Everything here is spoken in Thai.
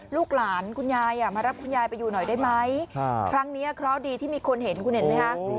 ลูกหลานคุณยายมารับคุณยายไปอยู่หน่อยได้ไหมครั้งนี้เคราะห์ดีที่มีคนเห็นคุณเห็นไหมคะ